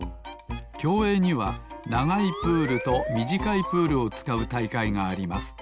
きょうえいにはながいプールとみじかいプールをつかうたいかいがあります